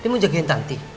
dia mau jagain tanti